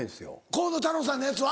河野太郎さんのやつは？